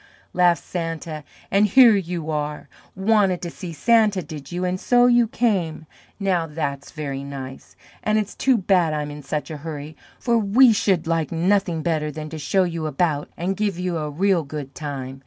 laughed Santa, "and here you are! Wanted to see Santa, did you, and so you came! Now that's very nice, and it's too bad I'm in such a hurry, for we should like nothing better than to show you about and give you a real good time.